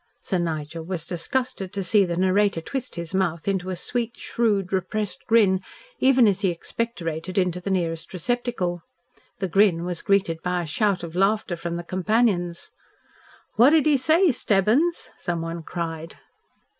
Sir Nigel was disgusted to see the narrator twist his mouth into a sweet, shrewd, repressed grin even as he expectorated into the nearest receptacle. The grin was greeted by a shout of laughter from his companions. "What did he say, Stebbins?" someone cried.